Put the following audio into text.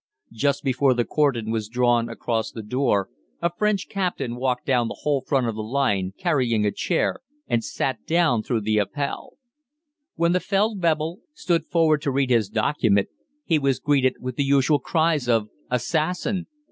Just before the cordon was drawn across the door, a French captain walked down the whole front line carrying a chair and sat down throughout the Appell. When the Feldwebel stood forward to read his document, he was greeted with the usual cries of "Assassin!"